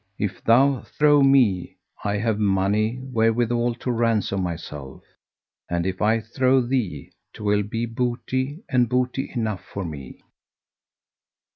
If thou throw me, I have money wherewithal to ransom myself; and if I throw thee, 'twill be booty and booty enough for me!"